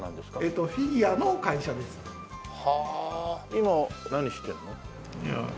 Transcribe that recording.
今何してんの？